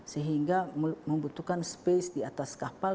sehingga membutuhkan space di atas kapal